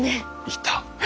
いた。